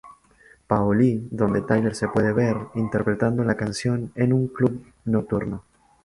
Pauli, donde Tyler se puede ver interpretando la canción en un club nocturno.